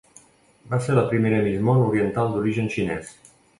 Va ser la primera Miss Món oriental d'origen xinès.